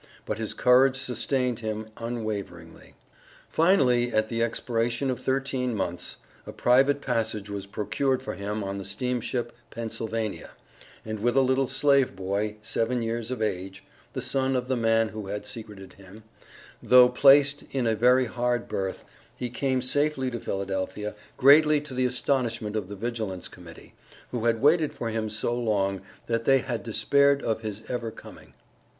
But his courage sustained him unwaveringly. Finally at the expiration of thirteen months, a private passage was procured for him on the steamship Pennsylvania, and with a little slave boy, seven years of age, (the son of the man who had secreted him) though placed in a very hard berth, he came safely to Philadelphia, greatly to the astonishment of the Vigilance Committee, who had waited for him so long that they had despaired of his ever coming.